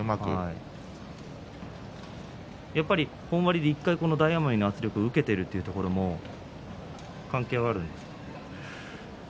本割で１回目の圧力を受けているというところも関係あるんですか。